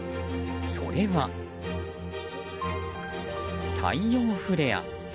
それは、太陽フレア。